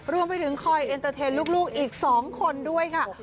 ร่วมไปถึงคอยเย็นเทนลูกอีกสองคนด้วยค่ะ